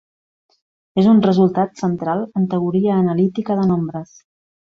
És un resultat central en teoria analítica de nombres.